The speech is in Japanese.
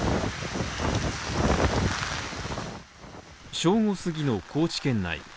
正午過ぎの高知県内。